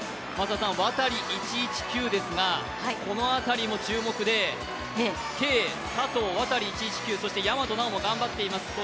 ワタリ１１９ですが、この辺りも注目でＫ、佐藤、ワタリ１１９、そして大和奈央も頑張っています。